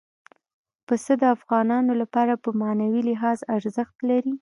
پسه د افغانانو لپاره په معنوي لحاظ ارزښت لري.